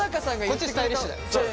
こっちスタイリッシュ。